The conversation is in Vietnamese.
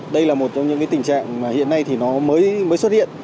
đây là một trong những tình trạng hiện nay mới xuất hiện